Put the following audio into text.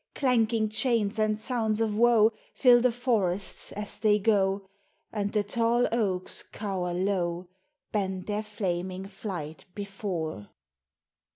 Clanking chains and sounds of woe Fill the forests as they go ; And the tall oaks cower low, Bent their flaming flight before.